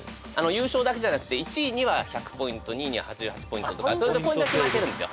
優勝だけじゃなくて１位には１００ポイント２位には８８ポイントとかそういったポイントが決まってるんですよ